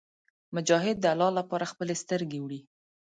مجاهد د الله لپاره خپلې سترګې وړي.